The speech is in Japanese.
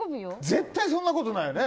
絶対そんなことないよね。